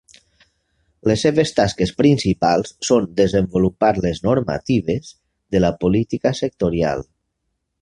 Les seves tasques principals són desenvolupar les normatives de la política sectorial.